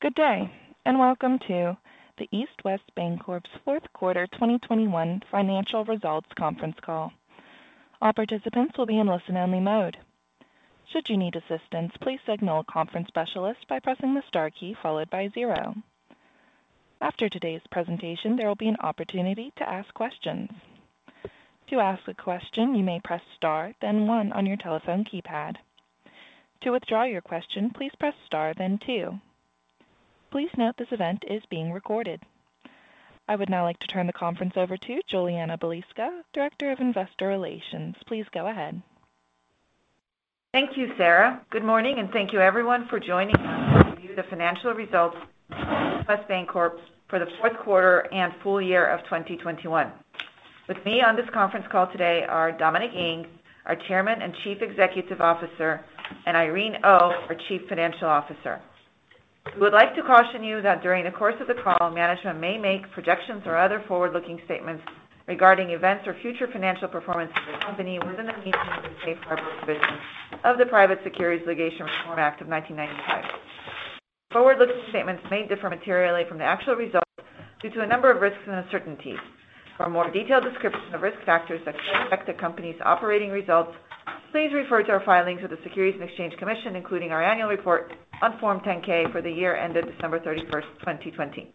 Good day, and welcome to the East West Bancorp's Fourth Quarter 2021 Financial Results Conference Call. All participants will be in listen-only mode. Should you need assistance, please signal a conference specialist by pressing the star key followed by zero. After today's presentation, there will be an opportunity to ask questions. To ask a question, you may press star, then one on your telephone keypad. To withdraw your question, please press star, then two. Please note this event is being recorded. I would now like to turn the conference over to Julianna Balicka, Director of Investor Relations. Please go ahead. Thank you, Sarah. Good morning, and thank you everyone for joining us to review the Financial Results of East West Bancorp for the Fourth Quarter and Full Year of 2021. With me on this conference call today are Dominic Ng, our Chairman and Chief Executive Officer, and Irene Oh, our Chief Financial Officer. We would like to caution you that during the course of the call, management may make projections or other forward-looking statements regarding events or future financial performance of the company within the meaning of the safe harbor provision of the Private Securities Litigation Reform Act of 1995. Forward-looking statements may differ materially from the actual results due to a number of risks and uncertainties. For a more detailed description of risk factors that could affect the company's operating results, please refer to our filings with the Securities and Exchange Commission, including our annual report on Form 10-K for the year ended December 31, 2020.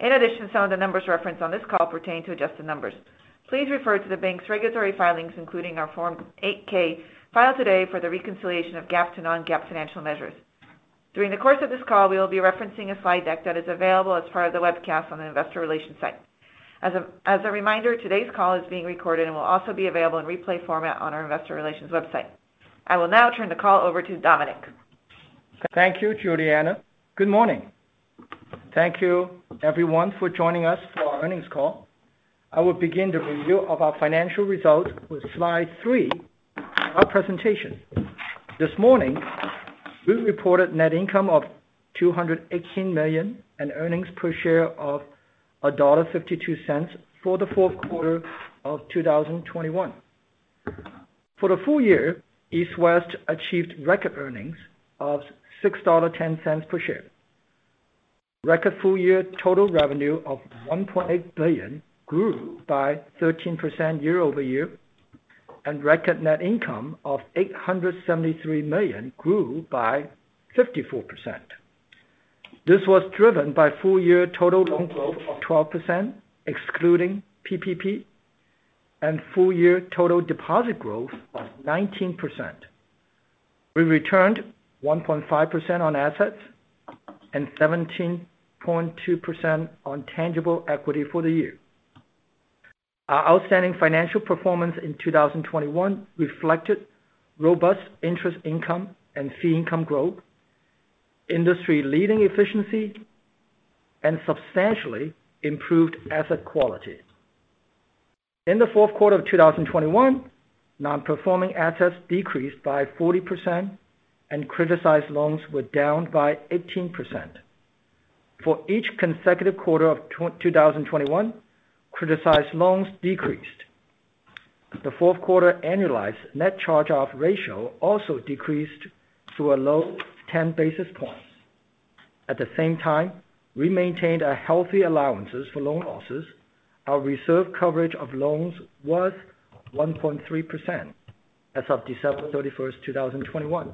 In addition, some of the numbers referenced on this call pertain to adjusted numbers. Please refer to the bank's regulatory filings, including our Form 8-K filed today for the reconciliation of GAAP to non-GAAP financial measures. During the course of this call, we will be referencing a slide deck that is available as part of the webcast on the investor relations site. As a reminder, today's call is being recorded and will also be available in replay format on our investor relations website. I will now turn the call over to Dominic. Thank you, Julianna. Good morning. Thank you everyone for joining us for our earnings call. I will begin the review of our financial results with slide three of our presentation. This morning, we reported net income of $218 million and earnings per share of $1.52 for the fourth quarter of 2021. For the full year, East West achieved record earnings of $6.10 per share. Record full year total revenue of $1.8 billion grew by 13% year over year, and record net income of $873 million grew by 54%. This was driven by full-year total loan growth of 12%, excluding PPP, and full-year total deposit growth of 19%. We returned 1.5% on assets and 17.2% on tangible equity for the year. Our outstanding financial performance in 2021 reflected robust interest income and fee income growth, industry-leading efficiency, and substantially improved asset quality. In the fourth quarter of 2021, non-performing assets decreased by 40%, and criticized loans were down by 18%. For each consecutive quarter of 2021, criticized loans decreased. The fourth quarter annualized net charge-off ratio also decreased to a low 10 basis points. At the same time, we maintained our healthy allowances for loan losses. Our reserve coverage of loans was 1.3% as of December 31, 2021.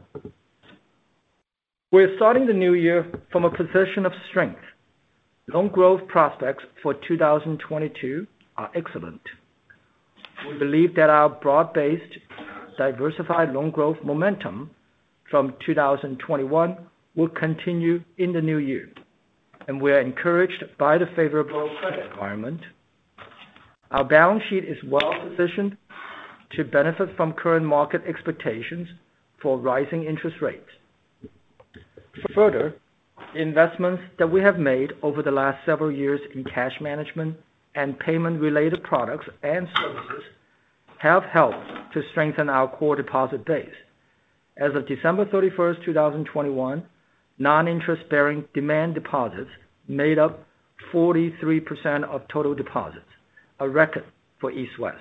We're starting the new year from a position of strength. Loan growth prospects for 2022 are excellent. We believe that our broad-based diversified loan growth momentum from 2021 will continue in the new year, and we are encouraged by the favorable credit environment. Our balance sheet is well-positioned to benefit from current market expectations for rising interest rates. Further, investments that we have made over the last several years in cash management and payment-related products and services have helped to strengthen our core deposit base. As of December 31, 2021, non-interest-bearing demand deposits made up 43% of total deposits, a record for East West.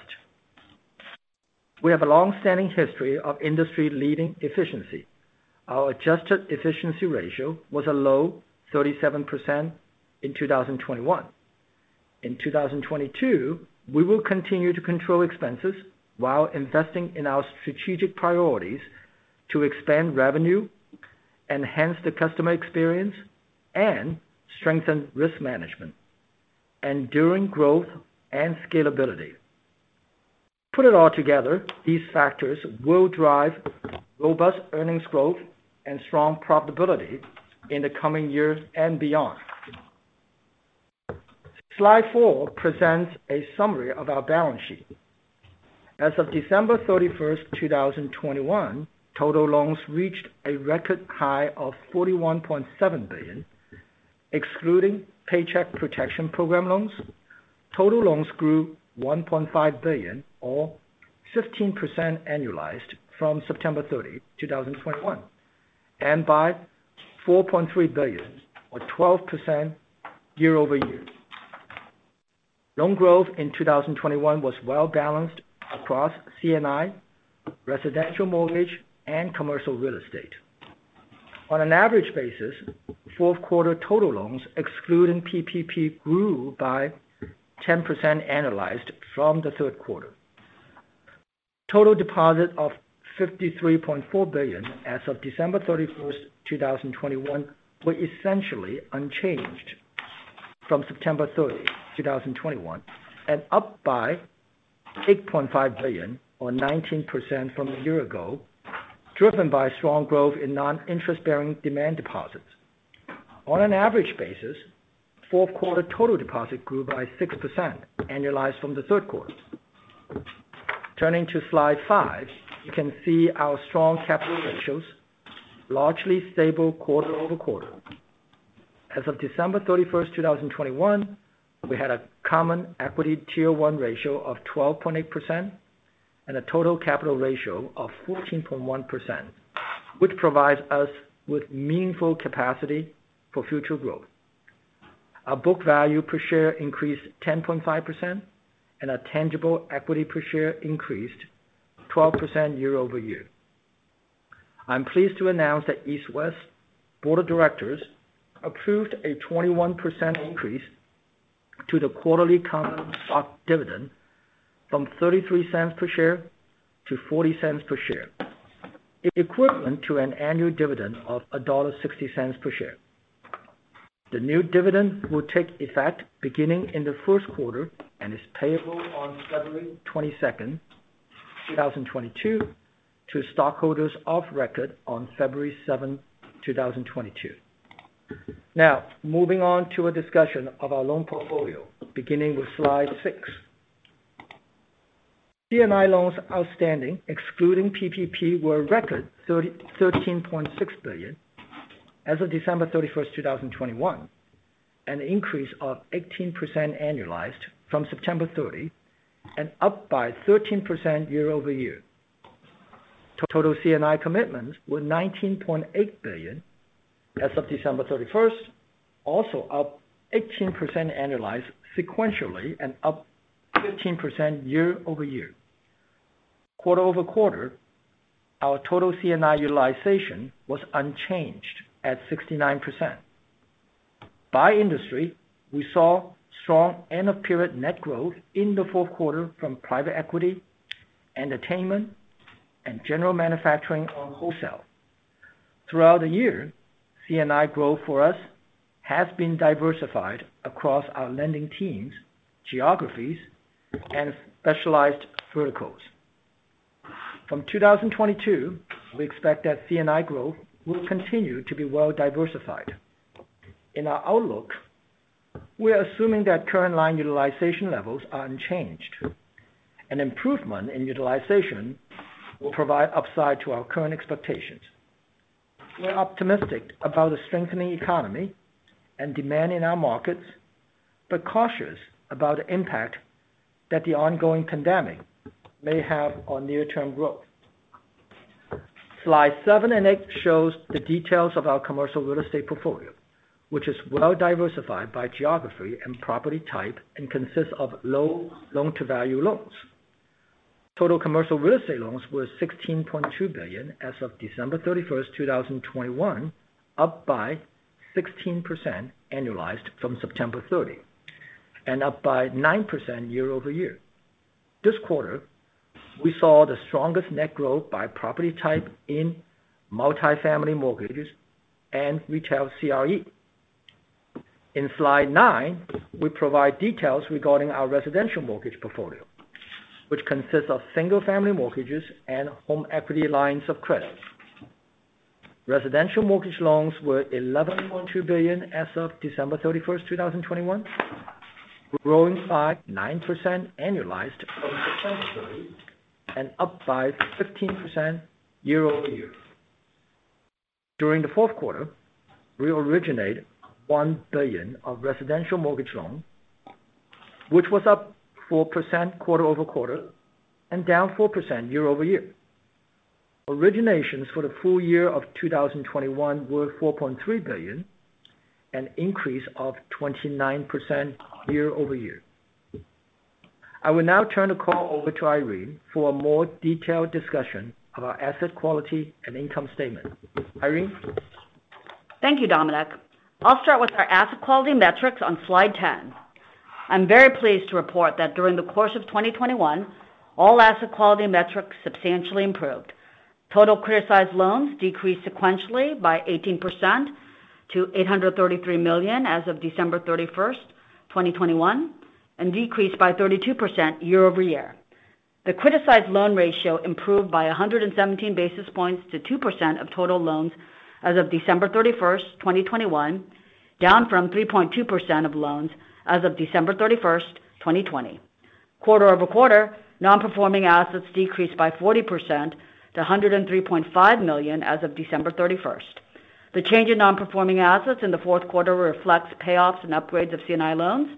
We have a long-standing history of industry-leading efficiency. Our adjusted efficiency ratio was a low 37% in 2021. In 2022, we will continue to control expenses while investing in our strategic priorities to expand revenue, enhance the customer experience, and strengthen risk management, enduring growth and scalability. Put it all together, these factors will drive robust earnings growth and strong profitability in the coming years and beyond. Slide 4 presents a summary of our balance sheet. As of December 31, 2021, total loans reached a record high of $41.7 billion, excluding Paycheck Protection Program loans. Total loans grew $1.5 billion or 15% annualized from September 30, 2021, and by $4.3 billion or 12% year-over-year. Loan growth in 2021 was well balanced across C&I, residential mortgage, and commercial real estate. On an average basis, fourth quarter total loans excluding PPP grew by 10% annualized from the third quarter. Total deposits of $53.4 billion as of December 31, 2021 were essentially unchanged from September 30, 2021, and up by $8.5 billion or 19% from a year ago, driven by strong growth in non-interest-bearing demand deposits. On an average basis, fourth quarter total deposits grew by 6% annualized from the third quarter. Turning to slide 5, you can see our strong capital ratios largely stable quarter-over-quarter. As of December 31, 2021, we had a Common Equity Tier 1 Ratio of 12.8% and a total capital ratio of 14.1%, which provides us with meaningful capacity for future growth. Our book value per share increased 10.5% and our tangible equity per share increased 12% year-over-year. I'm pleased to announce that East West Board of Directors approved a 21% increase to the quarterly common stock dividend from $0.33 per share to $0.40 per share. Equivalent to an annual dividend of $1.60 per share. The new dividend will take effect beginning in the first quarter and is payable on February 22, 2022 to stockholders of record on February 7, 2022. Now, moving on to a discussion of our loan portfolio beginning with slide 6. C&I loans outstanding, excluding PPP, were a record $13.6 billion as of December 31, 2021, an increase of 18% annualized from September 30 and up by 13% year-over-year. Total C&I commitments were $19.8 billion as of December 31, also up 18% annualized sequentially and up 15% year-over-year. Quarter over quarter, our total C&I utilization was unchanged at 69%. By industry, we saw strong end-of-period net growth in the fourth quarter from private equity, entertainment, and general manufacturing on wholesale. Throughout the year, C&I growth for us has been diversified across our lending teams, geographies, and specialized verticals. From 2022, we expect that C&I growth will continue to be well diversified. In our outlook, we are assuming that current line utilization levels are unchanged. An improvement in utilization will provide upside to our current expectations. We're optimistic about the strengthening economy and demand in our markets, but cautious about the impact that the ongoing pandemic may have on near-term growth. Slide 7 and 8 shows the details of our commercial real estate portfolio, which is well diversified by geography and property type, and consists of low loan-to-value loans. Total commercial real estate loans were $16.2 billion as of December 31, 2021, up by 16% annualized from September 30, and up by 9% year-over-year. This quarter, we saw the strongest net growth by property type in multi-family mortgages and retail CRE. In slide 9, we provide details regarding our residential mortgage portfolio, which consists of single-family mortgages and home equity lines of credit. Residential mortgage loans were $11.2 billion as of December 31, 2021, growing by 9% annualized from September 30 and up by 15% year-over-year. During the fourth quarter, we originated $1 billion of residential mortgage loans, which was up 4% quarter-over-quarter and down 4% year-over-year. Originations for the full year of 2021 were $4.3 billion, an increase of 29% year-over-year. I will now turn the call over to Irene for a more detailed discussion of our asset quality and income statement. Irene? Thank you, Dominic. I'll start with our asset quality metrics on slide 10. I'm very pleased to report that during the course of 2021, all asset quality metrics substantially improved. Total criticized loans decreased sequentially by 18% to $833 million as of December 31, 2021, and decreased by 32% year-over-year. The criticized loan ratio improved by 117 basis points to 2% of total loans as of December 31, 2021, down from 3.2% of loans as of December 31, 2020. Quarter-over-quarter, non-performing assets decreased by 40% to $103.5 million as of December 31. The change in non-performing assets in the fourth quarter reflects payoffs and upgrades of C&I loans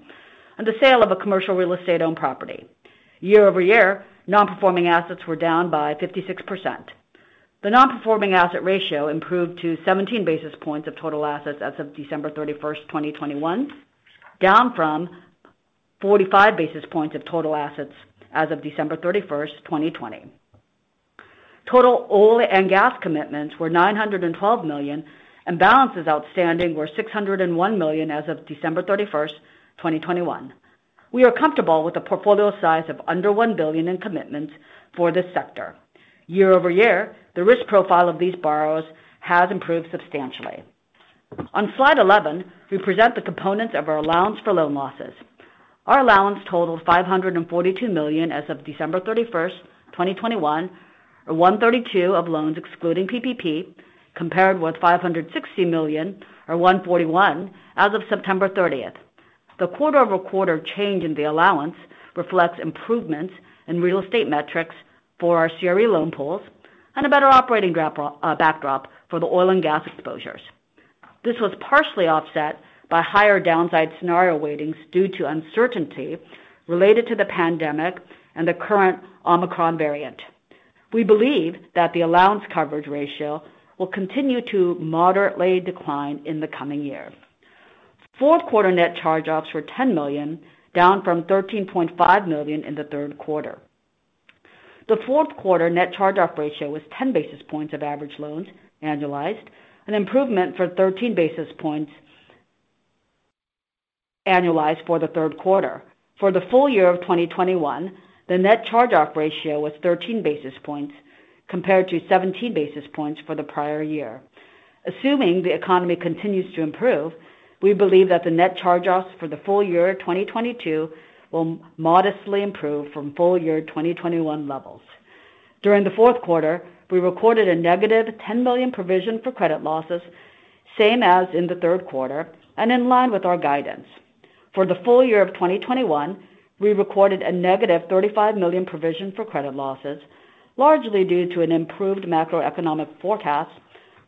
and the sale of a commercial real estate-owned property. Year-over-year, non-performing assets were down by 56%. The non-performing asset ratio improved to 17 basis points of total assets as of December 31, 2021, down from 45 basis points of total assets as of December 31, 2020. Total oil and gas commitments were $912 million, and balances outstanding were $601 million as of December 31, 2021. We are comfortable with the portfolio size of under $1 billion in commitments for this sector. Year-over-year, the risk profile of these borrowers has improved substantially. On slide 11, we present the components of our allowance for loan losses. Our allowance totaled $542 million as of December 31, 2021, or 1.32% of loans excluding PPP, compared with $560 million or 1.41% as of September 30. The quarter-over-quarter change in the allowance reflects improvements in real estate metrics for our CRE loan pools and a better operating backdrop for the oil and gas exposures. This was partially offset by higher downside scenario weightings due to uncertainty related to the pandemic and the current Omicron variant. We believe that the allowance coverage ratio will continue to moderately decline in the coming years. Fourth quarter net charge-offs were $10 million, down from $13.5 million in the third quarter. The fourth quarter net charge-off ratio was 10 basis points of average loans annualized, an improvement from 13 basis points annualized for the third quarter. For the full year of 2021, the net charge-off ratio was 13 basis points compared to 17 basis points for the prior year. Assuming the economy continues to improve, we believe that the net charge-offs for the full year of 2022 will modestly improve from full-year 2021 levels. During the fourth quarter, we recorded a negative $10 million provision for credit losses, same as in the third quarter and in line with our guidance. For the full year of 2021, we recorded a negative $35 million provision for credit losses, largely due to an improved macroeconomic forecast,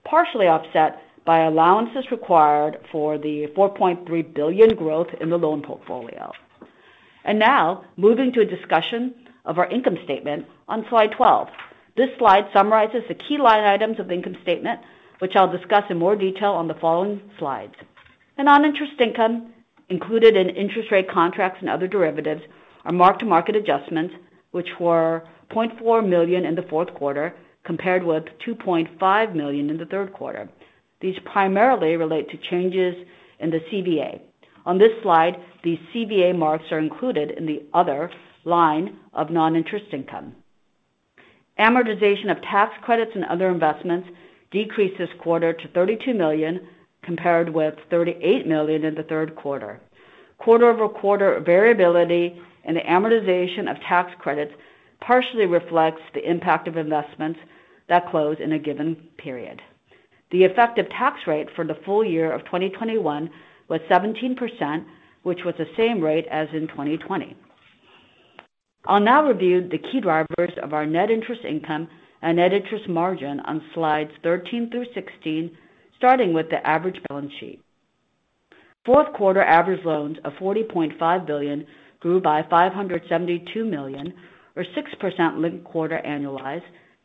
partially offset by allowances required for the $4.3 billion growth in the loan portfolio. Now moving to a discussion of our income statement on slide 12. This slide summarizes the key line items of the income statement, which I'll discuss in more detail on the following slides. In non-interest income included in interest rate contracts and other derivatives are mark-to-market adjustments which were $0.4 million in the fourth quarter, compared with $2.5 million in the third quarter. These primarily relate to changes in the CVA. On this slide, these CVA marks are included in the other line of non-interest income. Amortization of tax credits and other investments decreased this quarter to $32 million, compared with $38 million in the third quarter. Quarter-over-quarter variability in the amortization of tax credits partially reflects the impact of investments that close in a given period. The effective tax rate for the full year of 2021 was 17%, which was the same rate as in 2020. I'll now review the key drivers of our net interest income and net interest margin on slides 13 through 16, starting with the average balance sheet. Fourth quarter average loans of $40.5 billion grew by $572 million or 6% linked quarter annualized,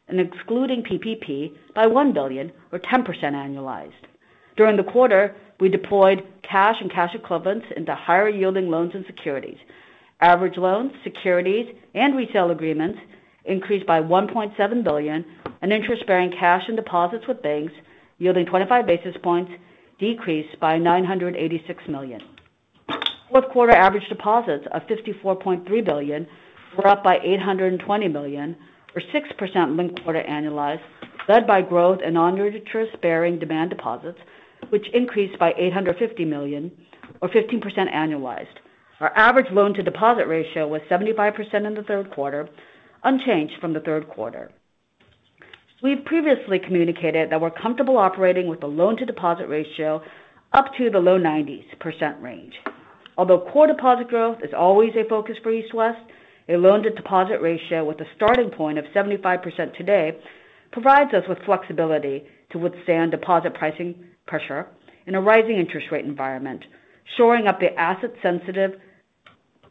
and excluding PPP by $1 billion or 10% annualized. During the quarter, we deployed cash and cash equivalents into higher-yielding loans and securities. Average loans, securities, and resale agreements increased by $1.7 billion, and interest-bearing cash and deposits with banks yielding 25 basis points decreased by $986 million. Fourth quarter average deposits of $54.3 billion were up by $820 million, or 6% linked quarter annualized, led by growth in non-interest-bearing demand deposits, which increased by $850 million or 15% annualized. Our average loan-to-deposit ratio was 75% in the fourth quarter, unchanged from the third quarter. We've previously communicated that we're comfortable operating with a loan-to-deposit ratio up to the low 90% range. Although core deposit growth is always a focus for East West, a loan-to-deposit ratio with a starting point of 75% today provides us with flexibility to withstand deposit pricing pressure in a rising interest rate environment, shoring up the asset sensitive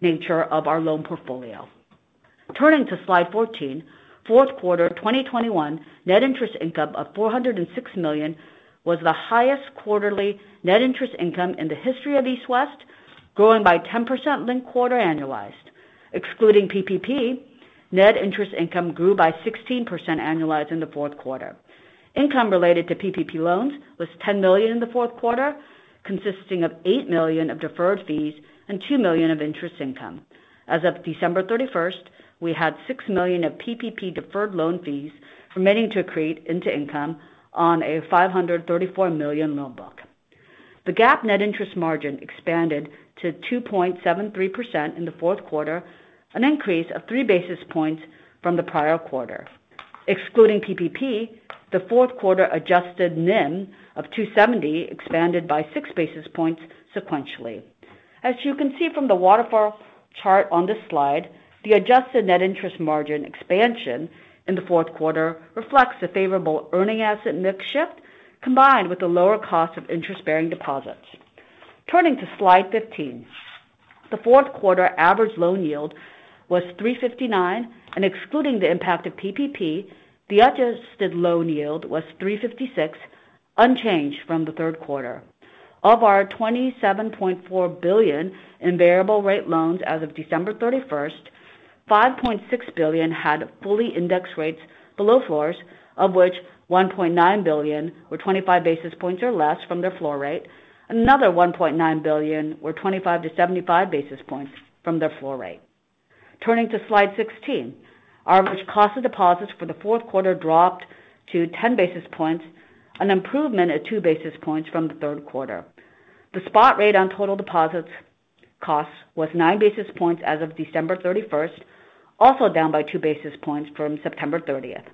nature of our loan portfolio. Turning to slide 14. Fourth quarter of 2021 net interest income of $406 million was the highest quarterly net interest income in the history of East West, growing by 10% linked quarter annualized. Excluding PPP, net interest income grew by 16% annualized in the fourth quarter. Income related to PPP loans was $10 million in the fourth quarter, consisting of $8 million of deferred fees and $2 million of interest income. As of December 31, we had $6 million of PPP deferred loan fees remaining to accrete into income on a $534 million loan book. The GAAP net interest margin expanded to 2.73% in the fourth quarter, an increase of 3 basis points from the prior quarter. Excluding PPP, the fourth quarter adjusted NIM of 2.70 expanded by 6 basis points sequentially. As you can see from the waterfall chart on this slide, the adjusted net interest margin expansion in the fourth quarter reflects the favorable earning asset mix shift combined with the lower cost of interest-bearing deposits. Turning to slide 15. The fourth quarter average loan yield was 3.59, and excluding the impact of PPP, the adjusted loan yield was 3.56, unchanged from the third quarter. Of our $27.4 billion in variable rate loans as of December 31st, $5.6 billion had fully indexed rates below floors, of which $1.9 billion were 25 basis points or less from their floor rate. Another $1.9 billion were 25-75 basis points from their floor rate. Turning to slide 16. Our average cost of deposits for the fourth quarter dropped to 10 basis points, an improvement of 2 basis points from the third quarter. The spot rate on total deposits cost was 9 basis points as of December 31st, also down by 2 basis points from September 30th.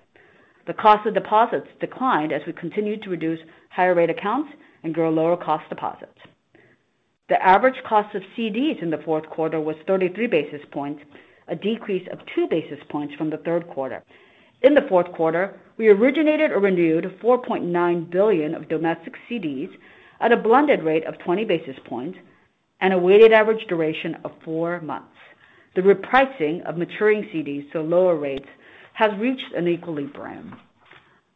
The cost of deposits declined as we continued to reduce higher-rate accounts and grow lower-cost deposits. The average cost of CDs in the fourth quarter was 33 basis points, a decrease of 2 basis points from the third quarter. In the fourth quarter, we originated or renewed $4.9 billion of domestic CDs at a blended rate of 20 basis points and a weighted average duration of 4 months. The repricing of maturing CDs to lower rates has reached an equilibrium.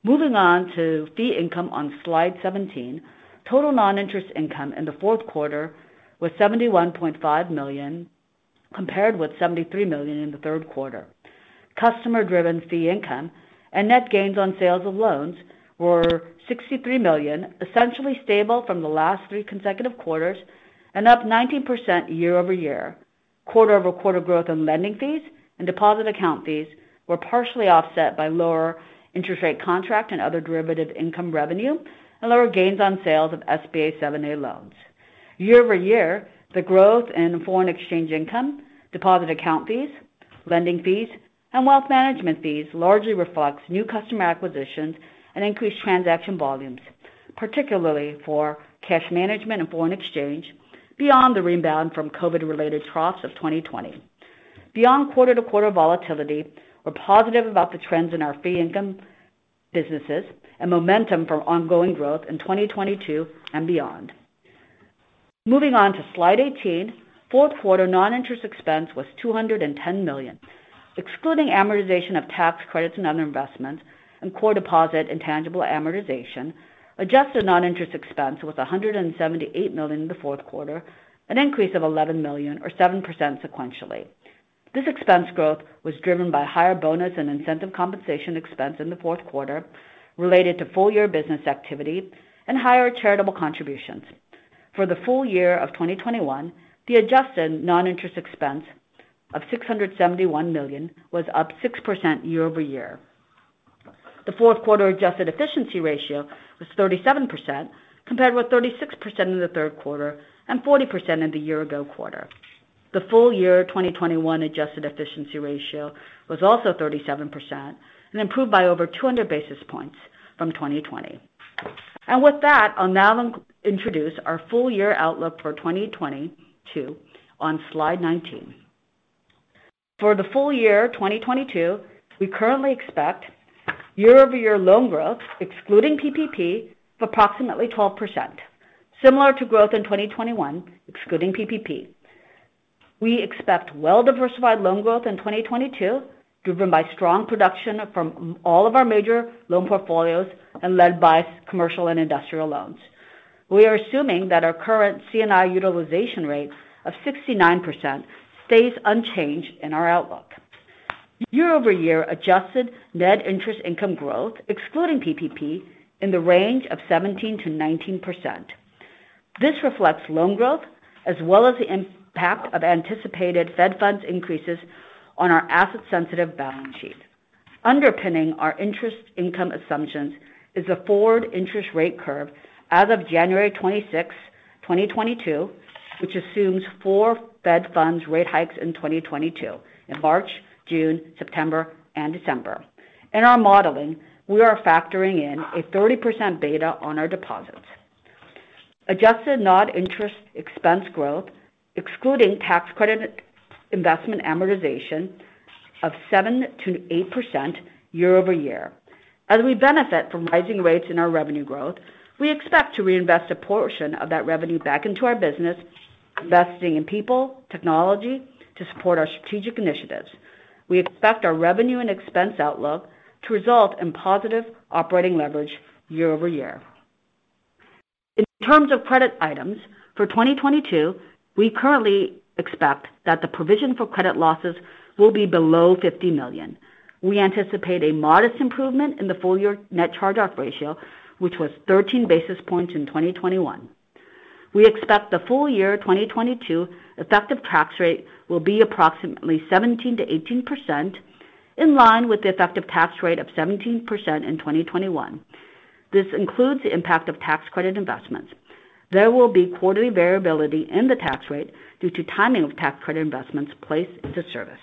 Moving on to fee income on slide 17. Total non-interest income in the fourth quarter was $71.5 million, compared with $73 million in the third quarter. Customer-driven fee income and net gains on sales of loans were $63 million, essentially stable from the last three consecutive quarters and up 19% year-over-year. Quarter-over-quarter growth in lending fees and deposit account fees were partially offset by lower interest rate contract and other derivative income revenue and lower gains on sales of SBA 7(a) loans. Year-over-year, the growth in foreign exchange income, deposit account fees, lending fees, and wealth management fees largely reflects new customer acquisitions and increased transaction volumes, particularly for cash management and foreign exchange beyond the rebound from COVID-related troughs of 2020. Beyond quarter-to-quarter volatility, we're positive about the trends in our fee income businesses and momentum for ongoing growth in 2022 and beyond. Moving on to slide 18. Fourth quarter non-interest expense was $210 million. Excluding amortization of tax credits and other investments and core deposit intangible amortization, adjusted non-interest expense was $178 million in the fourth quarter, an increase of $11 million or 7% sequentially. This expense growth was driven by higher bonus and incentive compensation expense in the fourth quarter related to full-year business activity and higher charitable contributions. For the full year of 2021, the adjusted non-interest expense of $671 million was up 6% year-over-year. The fourth quarter adjusted efficiency ratio was 37%, compared with 36% in the third quarter and 40% in the year-ago quarter. The full year 2021 adjusted efficiency ratio was also 37% and improved by over 200 basis points from 2020. With that, I'll now introduce our full-year outlook for 2022 on slide 19. For the full year 2022, we currently expect year-over-year loan growth, excluding PPP, of approximately 12%, similar to growth in 2021, excluding PPP. We expect well-diversified loan growth in 2022, driven by strong production from all of our major loan portfolios and led by commercial and industrial loans. We are assuming that our current C&I utilization rate of 69% stays unchanged in our outlook. Year-over-year adjusted net interest income growth, excluding PPP, in the range of 17%-19%. This reflects loan growth as well as the impact of anticipated Fed funds increases on our asset-sensitive balance sheet. Underpinning our interest income assumptions is a forward interest rate curve as of January 26, 2022, which assumes four Fed funds rate hikes in 2022 in March, June, September, and December. In our modeling, we are factoring in a 30% beta on our deposits. Adjusted non-interest expense growth, excluding tax credit investment amortization of 7%-8% year-over-year. As we benefit from rising rates in our revenue growth, we expect to reinvest a portion of that revenue back into our business, investing in people, technology to support our strategic initiatives. We expect our revenue and expense outlook to result in positive operating leverage year-over-year. In terms of credit items, for 2022, we currently expect that the provision for credit losses will be below $50 million. We anticipate a modest improvement in the full-year net charge-off ratio, which was 13 basis points in 2021. We expect the full year 2022 effective tax rate will be approximately 17%-18%, in line with the effective tax rate of 17% in 2021. This includes the impact of tax credit investments. There will be quarterly variability in the tax rate due to timing of tax credit investments placed into service.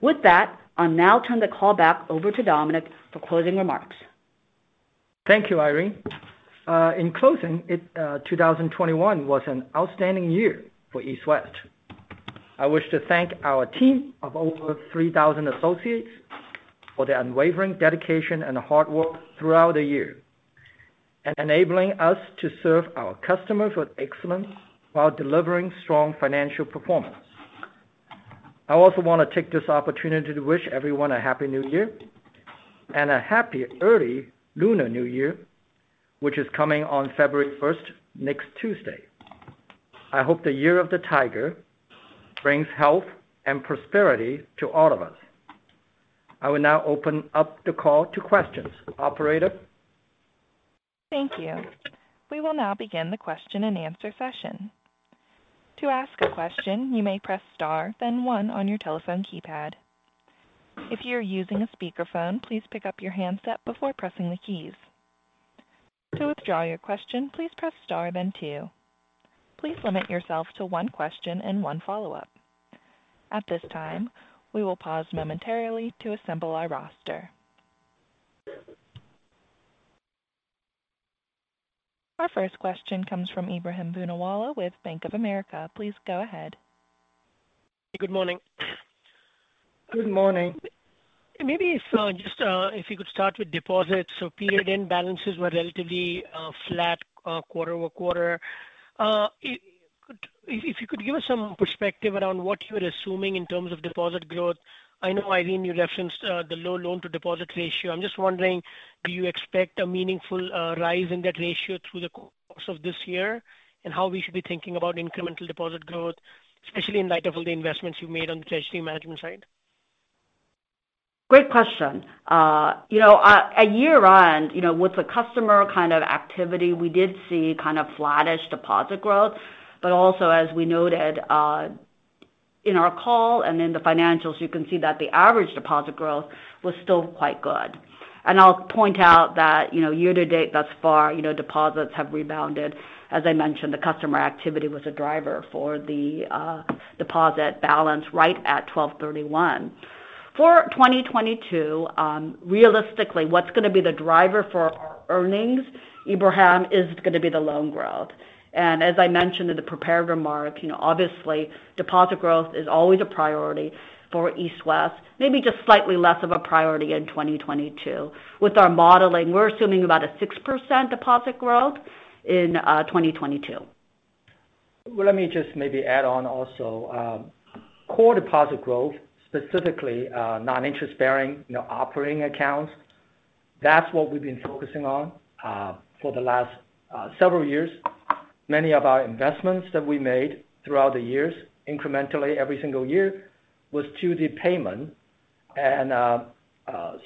With that, I'll now turn the call back over to Dominic for closing remarks. Thank you, Irene. In closing, 2021 was an outstanding year for East West. I wish to thank our team of over 3,000 associates for their unwavering dedication and hard work throughout the year, enabling us to serve our customers with excellence while delivering strong financial performance. I also want to take this opportunity to wish everyone a happy new year and a happy early Lunar New Year, which is coming on February 1, next Tuesday. I hope the Year of the Tiger brings health and prosperity to all of us. I will now open up the call to questions. Operator? Thank you. We will now begin the question-and-answer session. To ask a question, you may press Star, then one on your telephone keypad. If you're using a speakerphone, please pick up your handset before pressing the keys. To withdraw your question, please press Star then two. Please limit yourself to one question and one follow-up. At this time, we will pause momentarily to assemble our roster. Our first question comes from Ebrahim Poonawala with Bank of America. Please go ahead. Good morning. Good morning. Maybe if you could start with deposits. Period end balances were relatively flat quarter over quarter. If you could give us some perspective around what you're assuming in terms of deposit growth. I know, Irene, you referenced the low loan-to-deposit ratio. I'm just wondering, do you expect a meaningful rise in that ratio through the course of this year? How we should be thinking about incremental deposit growth, especially in light of all the investments you've made on the treasury management side. Great question. At year-end with the customer activity, we did see flattish deposit growth. Also as we noted, in our call and in the financials, you can see that the average deposit growth was still quite good. I'll point out that year-to-date thus far deposits have rebounded. As I mentioned, the customer activity was a driver for the deposit balance right at December 31. For 2022, realistically, what's gonna be the driver for our earnings, Ebrahim, is gonna be the loan growth. As I mentioned in the prepared remarks, obviously, deposit growth is always a priority for East West, maybe just slightly less of a priority in 2022. With our modeling, we're assuming about a 6% deposit growth in 2022. Well, let me just maybe add on also. Core deposit growth, specifically, non-interest-bearing, operating accounts, that's what we've been focusing on, for the last, several years. Many of our investments that we made throughout the years, incrementally every single year, was to the payments and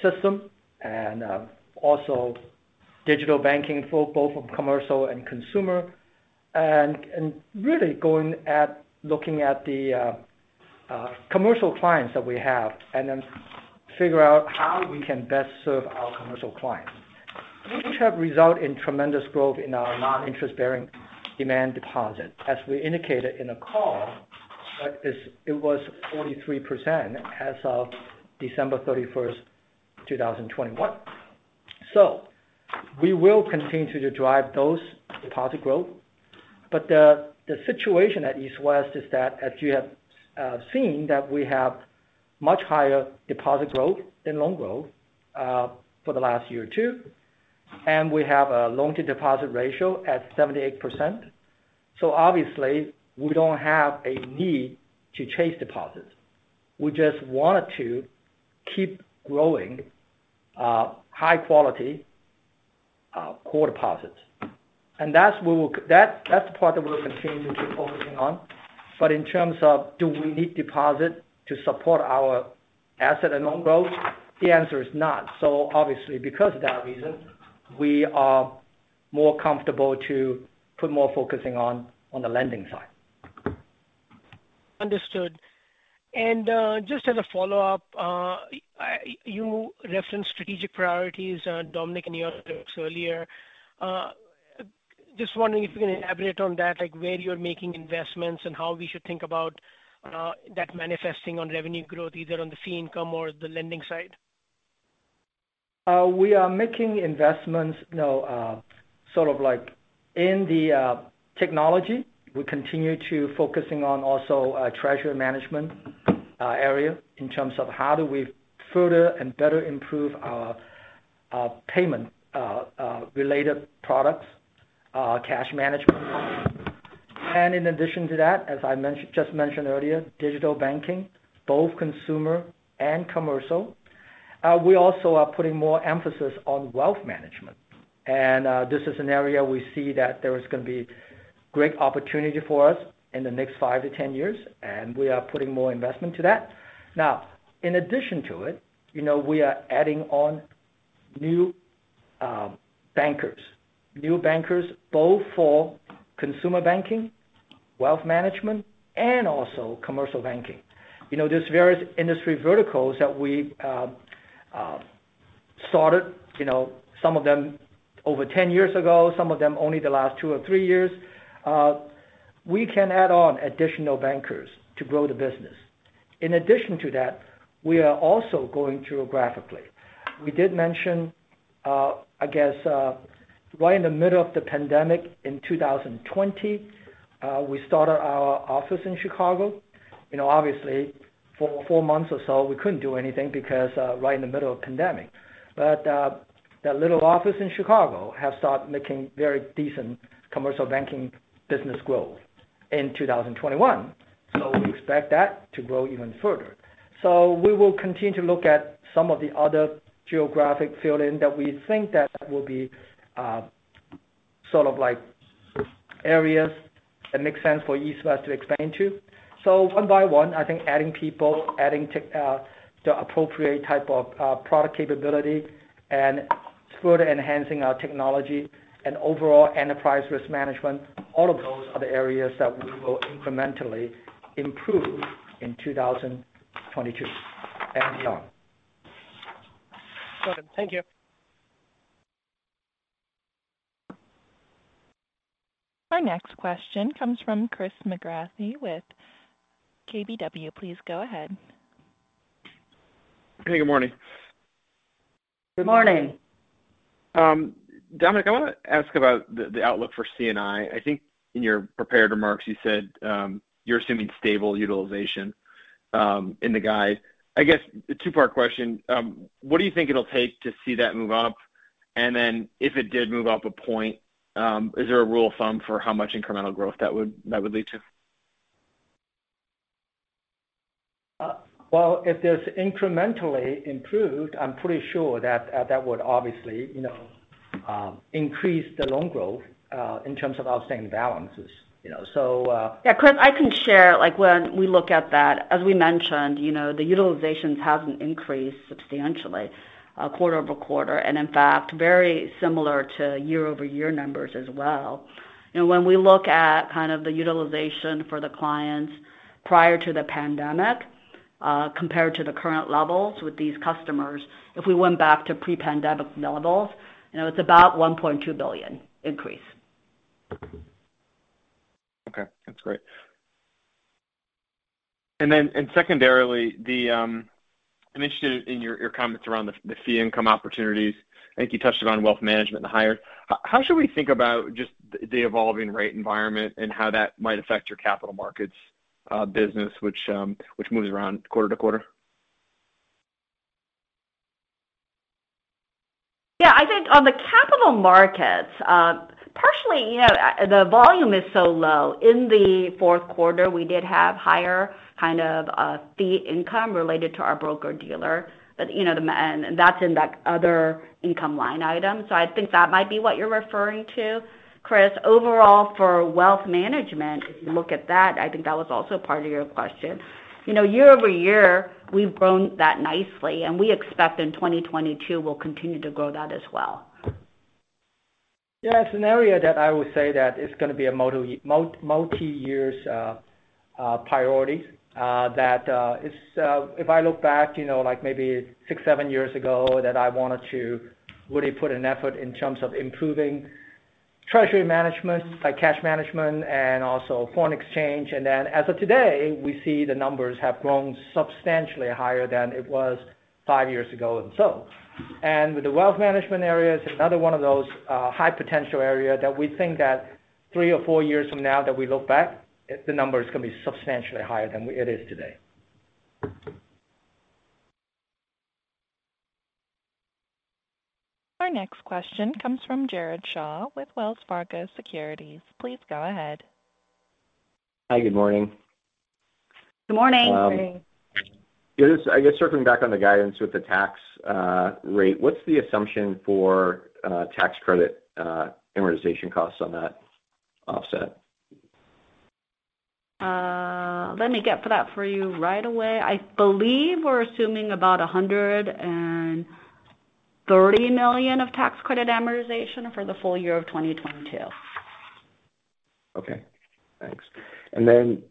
systems and also digital banking for both commercial and consumer. Really looking at the commercial clients that we have and then figure out how we can best serve our commercial clients. Which has resulted in tremendous growth in our non-interest-bearing demand deposit. As we indicated in the call, it was 43% as of December 31, 2021. We will continue to drive those deposit growth. The situation at East West is that as you have seen that we have much higher deposit growth than loan growth for the last year or two, and we have a loan-to-deposit ratio at 78%. Obviously, we don't have a need to chase deposits. We just want to keep growing high-quality core deposits. That's the part that we'll continue to keep focusing on. In terms of do we need deposit to support our asset and loan growth, the answer is not. Obviously, because of that reason, we are more comfortable to put more focusing on the lending side. Understood. Just as a follow-up, you referenced strategic priorities, Dominic, in your remarks earlier. Just wondering if you can elaborate on that, like where you're making investments and how we should think about that manifesting on revenue growth, either on the fee income or the lending side. We are making investments like in the technology. We continue to focus on also treasury management area in terms of how do we further and better improve our payment-related products, cash management. In addition to that, as I just mentioned earlier, digital banking, both consumer and commercial. We also are putting more emphasis on wealth management. This is an area we see that there is gonna be great opportunity for us in the next 5-10 years, and we are putting more investment to that. Now, in addition to it we are adding on new bankers both for consumer banking, wealth management, and also commercial banking. There's various industry verticals that we've started some of them over 10 years ago, some of them only the last 2 or 3 years. We can add on additional bankers to grow the business. In addition to that, we are also going geographically. We did mention right in the middle of the pandemic in 2020, we started our office in Chicago. Obviously, for 4 months or so, we couldn't do anything because, right in the middle of pandemic. That little office in Chicago have started making very decent commercial banking business growth in 2021. We expect that to grow even further. We will continue to look at some of the other geographic footprint that we think that will be sort of like areas that make sense for East West to expand to. One by one, I think adding people, adding tech, the appropriate type of product capability and further enhancing our technology and overall enterprise risk management, all of those are the areas that we will incrementally improve in 2022 and beyond. Got it. Thank you. My next question comes from Chris McGratty with KBW. Please go ahead. Hey, good morning. Good morning. Dominic, I want to ask about the outlook for C&I. I think in your prepared remarks, you said you're assuming stable utilization in the guide. I guess a two-part question. What do you think it'll take to see that move up? If it did move up a point, is there a rule of thumb for how much incremental growth that would lead to? Well, if there's incrementally improved, I'm pretty sure that would obviously, increase the loan growth in terms of outstanding balances. Chris, I can share when we look at that. As we mentioned, the utilizations hasn't increased substantially, quarter-over-quarter, and in fact, very similar to year-over-year numbers as well. When we look at the utilization for the clients prior to the pandemic, compared to the current levels with these customers, if we went back to pre-pandemic levels it's about $1.2 billion increase. Okay, that's great. Secondarily, I'm interested in your comments around the fee income opportunities. I think you touched on wealth management and the higher. How should we think about just the evolving rate environment and how that might affect your capital markets business which moves around quarter to quarter? On the capital markets, partially, you know, the volume is so low. In the fourth quarter, we did have higher fee income related to our broker-dealer. But, you know, and that's in that other income line item. So I think that might be what you're referring to, Chris. Overall, for wealth management, if you look at that, I think that was also part of your question. Year-over-year, we've grown that nicely, and we expect in 2022 we'll continue to grow that as well. It's an area that I would say that it's gonna be a multi-year priority. If I look back, you know, like maybe six, seven years ago that I wanted to really put an effort in terms of improving treasury management, like cash management and also foreign exchange. As of today, we see the numbers have grown substantially higher than it was five years ago. With the wealth management areas, another one of those high-potential areas that we think that three or four years from now that we look back, the number is gonna be substantially higher than it is today. Our next question comes from Jared Shaw with Wells Fargo Securities. Please go ahead. Hi, good morning. Good morning. Good morning. Yes, I guess circling back on the guidance with the tax rate, what's the assumption for tax credit amortization costs on that offset? Let me get that for you right away. I believe we're assuming about $130 million of tax credit amortization for the full year of 2022. Okay, thanks.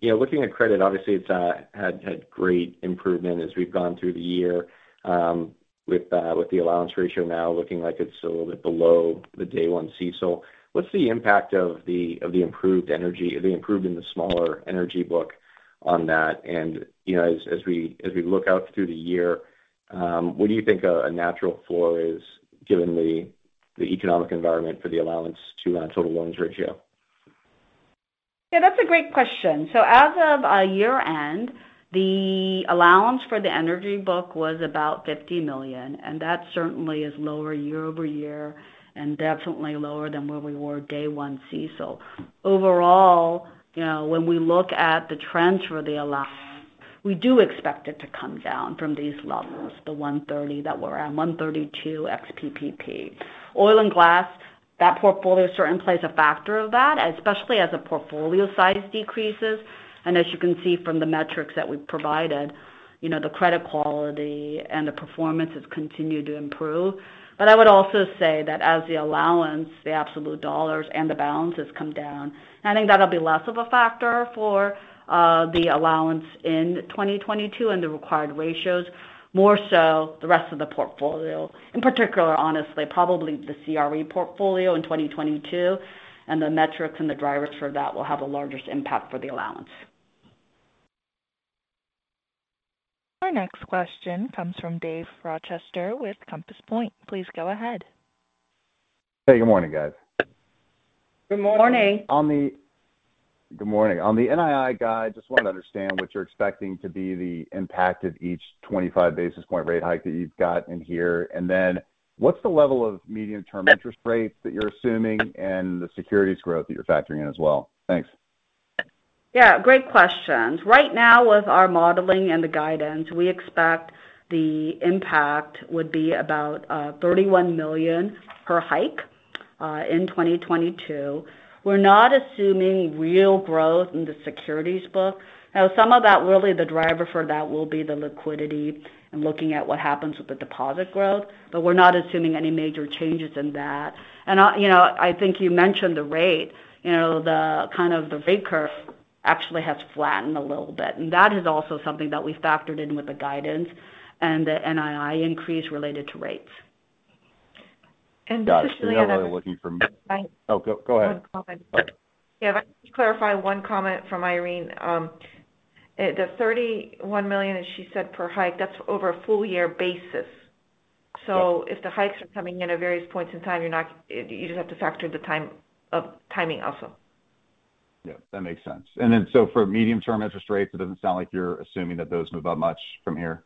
Looking at credit, obviously, it's had great improvement as we've gone through the year, with the allowance ratio now looking like it's a little bit below the Day 1 CECL. What's the impact of the improvement in the smaller energy book on that? As we look out through the year, what do you think a natural floor is given the economic environment for the allowance to total loans ratio? That's a great question. So as of year-end, the allowance for the energy book was about $50 million, and that certainly is lower year-over-year and definitely lower than where we were Day 1 CECL. Overall, when we look at the trends for the allowance, we do expect it to come down from these levels, the $130 that we're at, $132 excluding PPP. Oil and gas, that portfolio certainly plays a factor of that, especially as the portfolio size decreases. As you can see from the metrics that we've provided the credit quality and the performance has continued to improve. I would also say that as the allowance, the absolute dollars and the balances come down, I think that'll be less of a factor for the allowance in 2022 and the required ratios, more so the rest of the portfolio. In particular, honestly, probably the CRE portfolio in 2022 and the metrics and the drivers for that will have the largest impact for the allowance. Our next question comes from Dave Rochester with Compass Point. Please go ahead. Hey, good morning, guys. Good morning. Good morning. On the NII guide, just wanted to understand what you're expecting to be the impact of each 25 basis point rate hike that you've got in here. Then what's the level of medium-term interest rates that you're assuming and the securities growth that you're factoring in as well? Thanks. Great questions. Right now, with our modeling and the guidance, we expect the impact would be about $31 million per hike in 2022. We're not assuming real growth in the securities book. Now, some of that, really the driver for that will be the liquidity and looking at what happens with the deposit growth. But we're not assuming any major changes in that. You mentioned the rate. The rate curve actually has flattened a little bit, and that is also something that we factored in with the guidance and the NII increase related to rates. Got it. Because I'm really looking for. If I could clarify one comment from Irene. The $31 million that she said per hike, that's over a full-year basis. If the hikes are coming in at various points in time, you just have to factor the timing also. That makes sense. For medium-term interest rates, it doesn't sound like you're assuming that those move up much from here.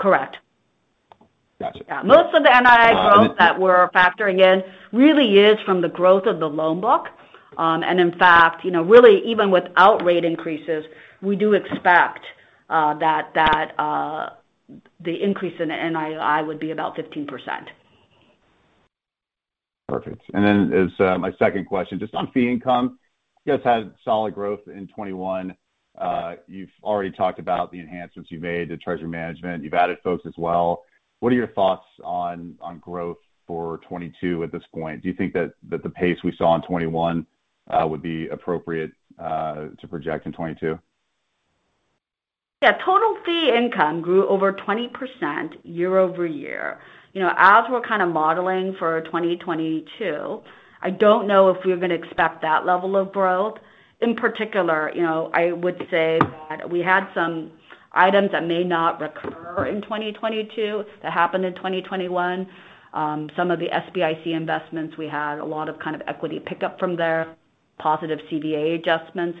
Correct. Gotcha. Most of the NII growth that we're factoring in really is from the growth of the loan book. In fact, you know, really even without rate increases, we do expect that the increase in NII would be about 15%. Perfect. As my second question, just on fee income, you guys had solid growth in 2021. You've already talked about the enhancements you made to treasury management. You've added folks as well. What are your thoughts on growth for 2022 at this point? Do you think that the pace we saw in 2021 would be appropriate to project in 2022? Total fee income grew over 20% year-over-year. You know, as we're kind of modeling for 2022, I don't know if we're going to expect that level of growth. In particular, you know, I would say that we had some items that may not recur in 2022 that happened in 2021. Some of the SBIC investments, we had a lot of kind of equity pickup from there, positive CVA adjustments.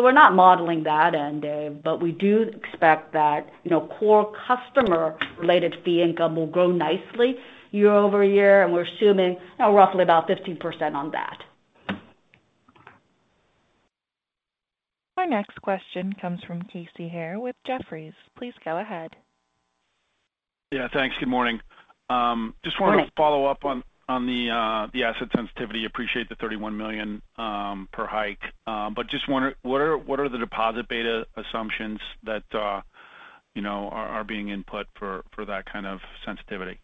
We're not modeling that in, Dave, but we do expect that, you know, core customer-related fee income will grow nicely year-over-year, and we're assuming roughly about 15% on that. Our next question comes from Casey Haire with Jefferies. Please go ahead. Thanks. Good morning. Just wanted to follow up on the asset sensitivity. Appreciate the $31 million per hike. Just wonder what are the deposit beta assumptions that you know are being input for that kind of sensitivity?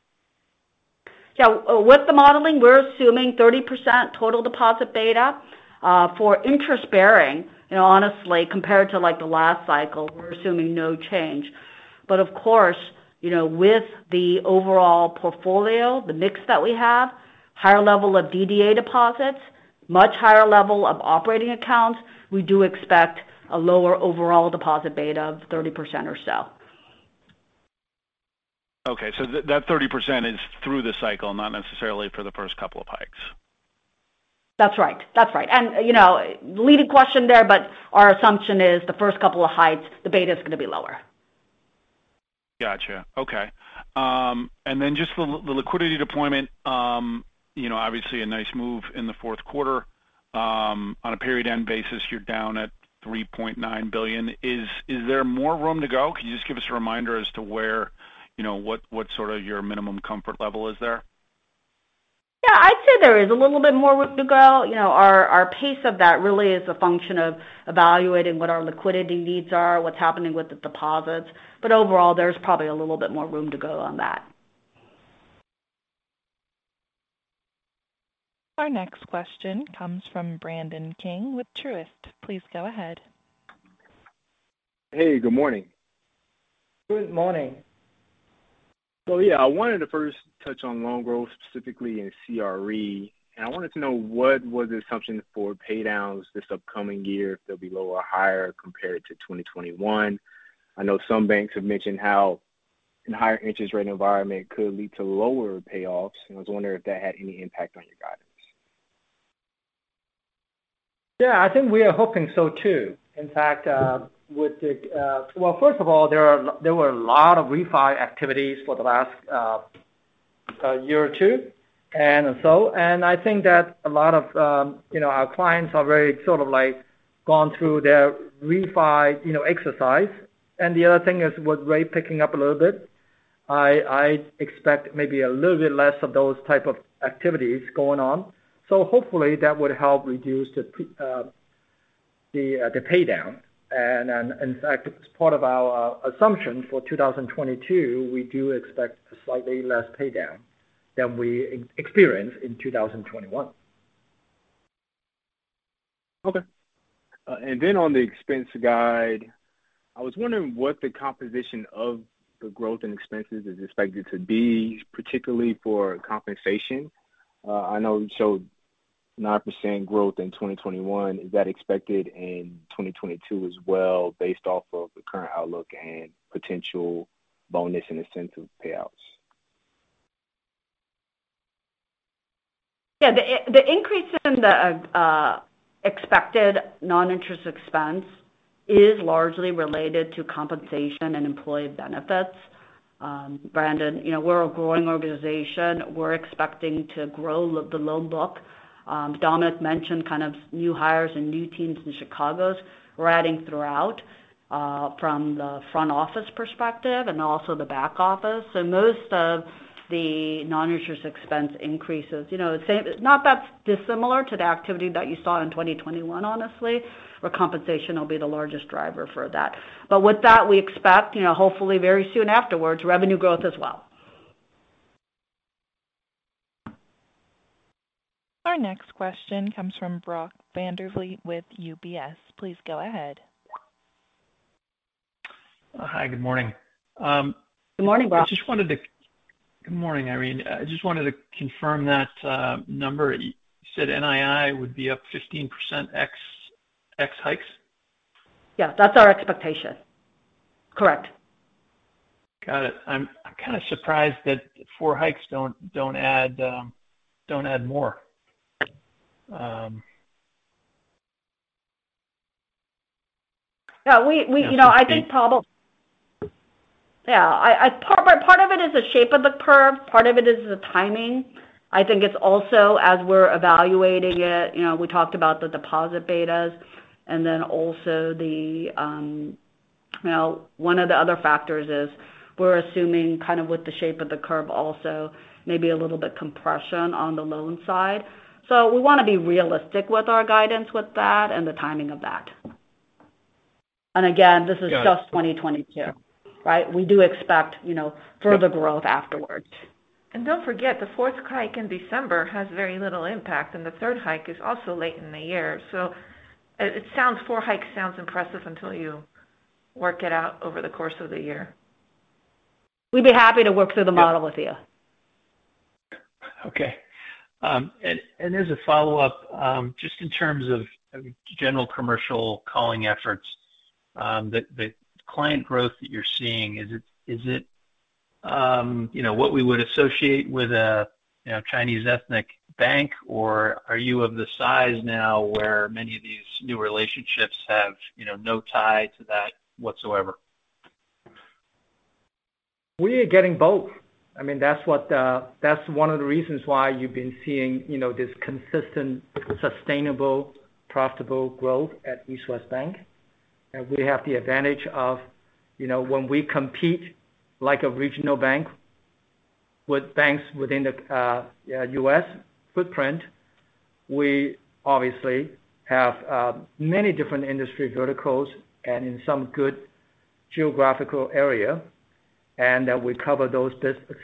With the modeling, we're assuming 30% total deposit beta. For interest-bearing honestly, compared to like the last cycle, we're assuming no change. Of course, with the overall portfolio, the mix that we have, higher level of DDA deposits, much higher level of operating accounts, we do expect a lower overall deposit beta of 30% or so. Okay. That 30% is through the cycle, not necessarily for the first couple of hikes. That's right. You know, leading question there, but our assumption is the first couple of hikes, the beta is going to be lower. Gotcha. Okay. Just the liquidity deployment. Obviously, a nice move in the fourth quarter. On a period-end basis, you're down at $3.9 billion. Is there more room to go? Can you just give us a reminder as to where what your minimum comfort level is there? Yeah, I'd say there is a little bit more room to go. You know, our pace of that really is a function of evaluating what our liquidity needs are, what's happening with the deposits. Overall, there's probably a little bit more room to go on that. Our next question comes from Brandon King with Truist. Please go ahead. Hey, good morning. Good morning. I wanted to first touch on loan growth, specifically in CRE. I wanted to know what was the assumption for pay downs this upcoming year, if they'll be lower or higher compared to 2021. I know some banks have mentioned how in a higher interest rate environment could lead to lower payoffs, and I was wondering if that had any impact on your guidance? We are hoping so too. In fact, well, first of all, there were a lot of refi activities for the last year or two. I think that a lot of our clients are very sort of like gone through their refi exercise. The other thing is, with rate picking up a little bit, I expect maybe a little bit less of those type of activities going on. Hopefully, that would help reduce the pay down. In fact, as part of our assumption for 2022, we do expect slightly less pay down than we experienced in 2021. Okay. On the expense guidance, I was wondering what the composition of the growth in expenses is expected to be, particularly for compensation. I know you showed 9% growth in 2021. Is that expected in 2022 as well based off of the current outlook and potential bonus and incentive payouts? The increase in the expected non-interest expense is largely related to compensation and employee benefits. Brandon, you know, we're a growing organization. We're expecting to grow the loan book. Dominic mentioned new hires and new teams in Chicago we're adding throughout from the front office perspective and also the back office. So most of the non-interest expense increases, you know, the same, not that dissimilar to the activity that you saw in 2021, honestly, where compensation will be the largest driver for that. But with that, we expect, you know, hopefully very soon afterwards, revenue growth as well. Our next question comes from Brock Vandervliet with UBS. Please go ahead. Hi, good morning. Good morning, Brock. Good morning, Irene. I just wanted to confirm that number. You said NII would be up 15% excluding hikes? That's our expectation. Correct. Got it. I'm kind of surprised that four hikes don't add more. Part of it is the shape of the curve, part of it is the timing. I think it's also as we're evaluating it, you know, we talked about the deposit betas and then also the, you know, one of the other factors is we're assuming kind of with the shape of the curve also maybe a little bit compression on the loan side. So we wanna be realistic with our guidance with that and the timing of that. Again this is just 2022, right? We do expect, you know, further growth afterwards. Don't forget the fourth hike in December has very little impact, and the third hike is also late in the year. It sounds four hikes sounds impressive until you work it out over the course of the year. We'd be happy to work through the model with you. As a follow-up, just in terms of general commercial calling efforts, the client growth that you're seeing, is it, you know, what we would associate with a Chinese ethnic bank, or are you of the size now where many of these new relationships have no tie to that whatsoever? We are getting both. That's one of the reasons why you've been seeing, you know, this consistent, sustainable, profitable growth at East West Bank. We have the advantage of when we compete like a regional bank with banks within the U.S. footprint, we obviously have many different industry verticals and in some good geographical area, and that we cover those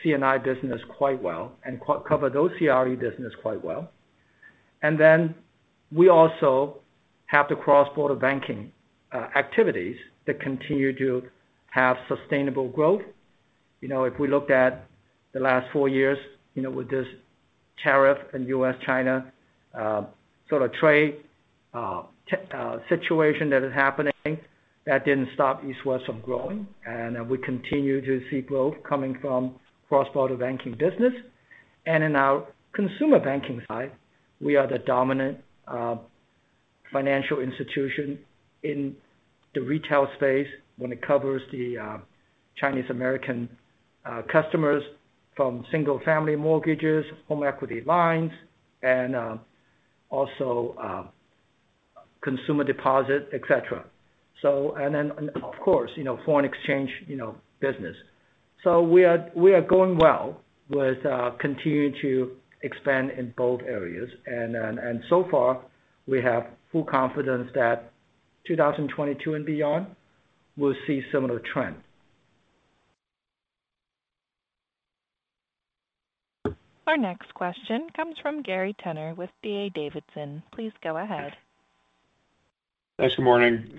C&I business quite well and cover those CRE business quite well. We also have the cross-border banking activities that continue to have sustainable growth. You know, if we looked at the last four years with this tariff and U.S., China sort of trade tension situation that is happening, that didn't stop East West from growing. We continue to see growth coming from cross-border banking business. In our consumer banking side, we are the dominant financial institution in the retail space when it comes to the Chinese American customers from single-family mortgages, home equity lines, and also consumer deposits, etc. So, and then, of course, you know, foreign exchange, you know, business. So we are going well with continuing to expand in both areas. So far we have full confidence that 2022 and beyond will see similar trend. Our next question comes from Gary Tenner with D.A. Davidson. Please go ahead. Thanks. Good morning.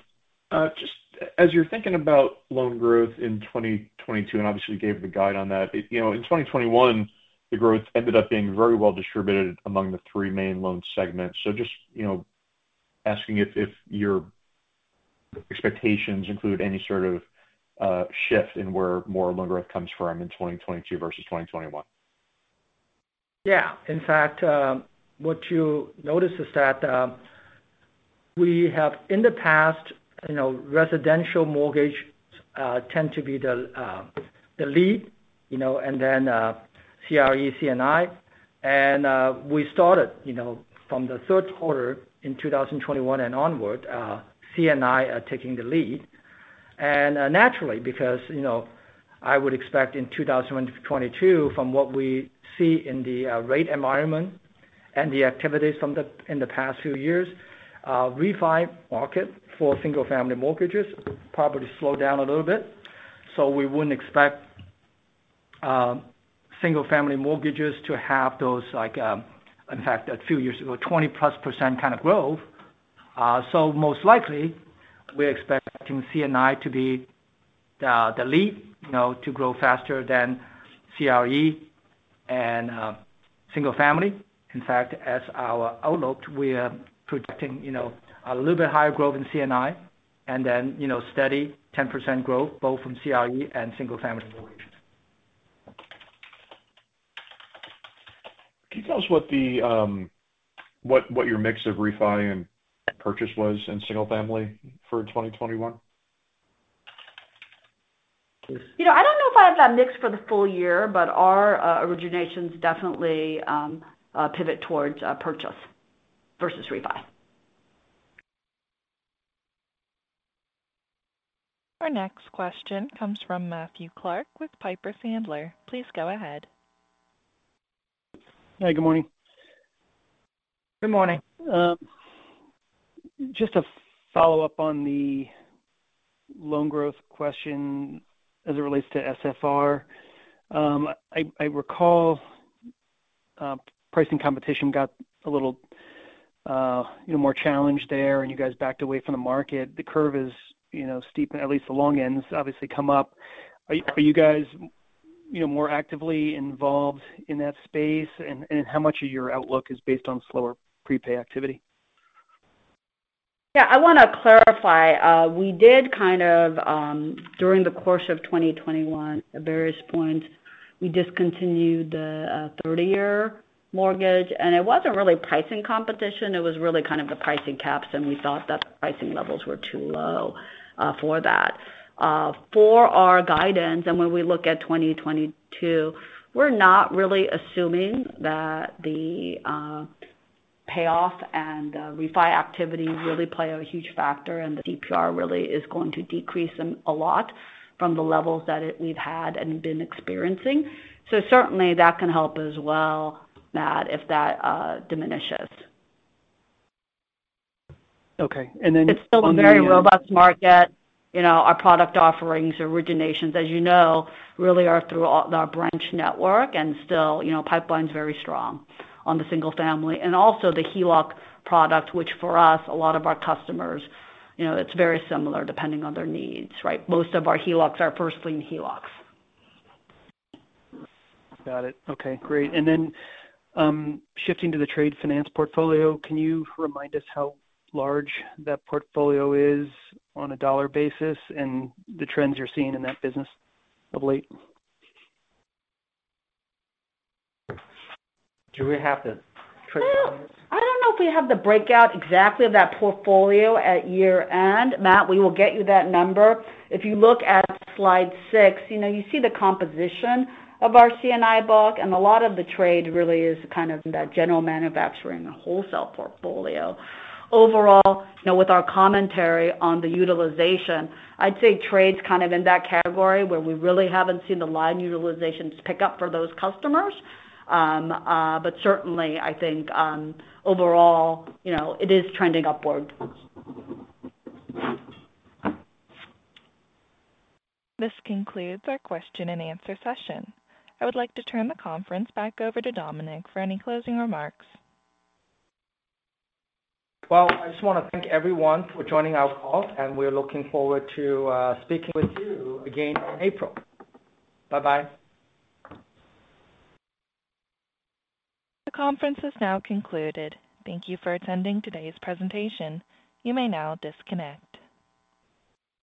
Just as you're thinking about loan growth in 2022, and obviously you gave the guide on that. In 2021, the growth ended up being very well distributed among the three main loan segments. Just asking if your expectations include any sort of shift in where more loan growth comes from in 2022 versus 2021. In fact, what you notice is that we have in the past, you know, residential mortgage tend to be the lead, you know, and then CRE, C&I. We started from the third quarter in 2021 and onward, C&I are taking the lead. Naturally, because I would expect in 2022 from what we see in the rate environment and the activities in the past few years, refi market for single-family mortgages probably slow down a little bit. We wouldn't expect single-family mortgages to have those like, in fact a few years ago, 20%+ growth. Most likely we're expecting C&I to be the lead to grow faster than CRE and single-family. In fact, in our outlook, we are projecting, you know, a little bit higher growth in C&I and then steady 10% growth both from CRE and single-family mortgages. Can you tell us what your mix of refi and purchase was in single-family for 2021? Please. I don't know if I have that mix for the full year, but our originations definitely pivot towards purchase versus refi. Our next question comes from Matthew Clark with Piper Sandler. Please go ahead. Hi, good morning. Good morning. Just to follow up on the loan growth question as it relates to SFR. I recall pricing competition got a little, you know, more challenged there, and you guys backed away from the market. The curve is, you know, steep, at least the long end's obviously come up. Are you guys, you know, more actively involved in that space? How much of your outlook is based on slower prepay activity? I wanna clarify. We did during the course of 2021, at various points, we discontinued the 30-year mortgage. It wasn't really pricing competition, it was really kind of the pricing caps, and we thought that the pricing levels were too low for that. For our guidance, and when we look at 2022, we're not really assuming that the payoff and refi activity really play a huge factor and the CPR really is going to decrease a lot from the levels that we've had and been experiencing. Certainly, that can help as well, Matt, if that diminishes. It's still a very robust market. You know, our product offerings, originations, as you know, really are through our branch network. Still, you know, pipeline's very strong on the single-family. Also the HELOC product, which for us, a lot of our customers, you know, it's very similar depending on their needs, right? Most of our HELOCs are first lien HELOCs. Got it. Okay, great. Shifting to the trade finance portfolio, can you remind us how large that portfolio is on a dollar basis and the trends you're seeing in that business of late? Do we have the trade finance? I don't know if we have the breakout exactly of that portfolio at year-end. Matt, we will get you that number. If you look at slide six you see the composition of our C&I book, and a lot of the trade really is that general manufacturing wholesale portfolio. Overall, you know, with our commentary on the utilization, I'd say trade's kind of in that category where we really haven't seen the line utilizations pick up for those customers. Certainly, overall, it is trending upward. This concludes our question-and-answer session. I would like to turn the conference back over to Dominic for any closing remarks. Well, I just wanna thank everyone for joining our call, and we're looking forward to speaking with you again in April. Bye-bye. The conference is now concluded. Thank you for attending today's presentation. You may now disconnect.